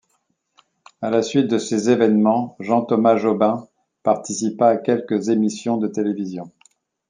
À la suite de ces événements, Jean-Thomas Jobin participa à quelques émissions de télévision.